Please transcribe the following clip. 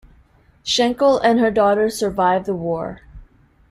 Schenkl and her daughter survived the war.